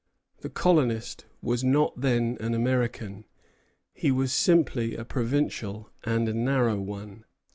The colonist was not then an American; he was simply a provincial, and a narrow one.